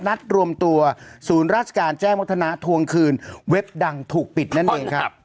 นัดรวมตัวศูนย์ราชการแจ้งวัฒนาทวงคืนเว็บดังถูกปิดนั่นเองครับ